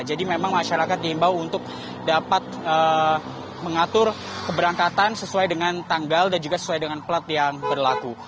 jadi memang masyarakat dihimbau untuk dapat mengatur keberangkatan sesuai dengan tanggal dan juga sesuai dengan plat yang berlaku